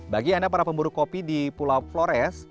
bagi anda para pemburu kopi di pulau flores